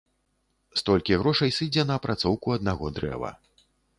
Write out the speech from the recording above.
Столькі грошай сыдзе на апрацоўку аднаго дрэва.